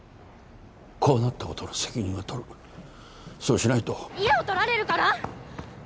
こうなったことの責任は取るそうしないと家を取られるから？